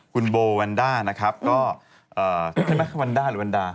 คุณโบวันด้ามัดวันด้าหรือวันด้า